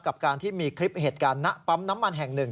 กับการที่มีคลิปเหตุการณ์ณปั๊มน้ำมันแห่งหนึ่ง